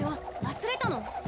忘れたの？